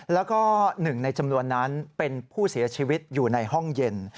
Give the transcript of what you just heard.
แล้วก็หนึ่งในจำนวนนั้นเป็นผู้เสียชีวิตอยู่ในห้องเย็น